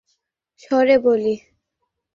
আমি আমার বোনের সঙ্গে কথা বলার সময় খুব নিচু স্বরে বলি।